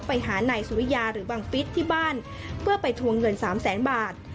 ไปหานายสุริยาหรือบังฟิศที่บ้านเพื่อไปทวงเงินสามแสนบาท